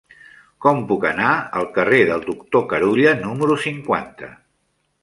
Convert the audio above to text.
Com puc anar al carrer del Doctor Carulla número cinquanta?